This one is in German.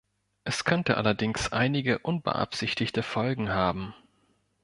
Es könnte allerdings einige unbeabsichtigte Folgen haben.